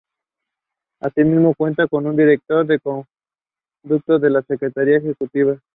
Asimismo cuenta con un director, un conductor y una secretaria ejecutiva.